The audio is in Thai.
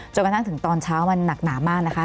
กระทั่งถึงตอนเช้ามันหนักหนามากนะคะ